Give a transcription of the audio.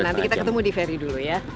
nanti kita ketemu di ferry dulu ya